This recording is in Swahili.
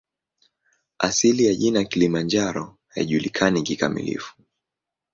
Asili ya jina "Kilimanjaro" haijulikani kikamilifu.